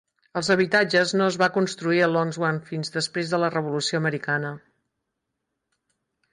Els habitatges no es va construir a Longswamp fins després de la Revolució Americana.